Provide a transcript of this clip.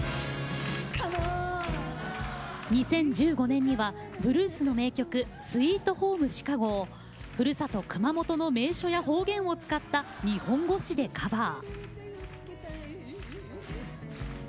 ２０１５年にはブルースの名曲「ＳｗｅｅｔＨｏｍｅＣｈｉｃａｇｏ」をふるさと熊本の名所や方言を使った日本語詞でカバー。